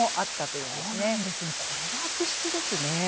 これは悪質ですね。